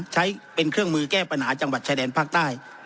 ใช้เป็นเครื่องมือแก้ปัญหาจังหวัดชายแดนภาคใต้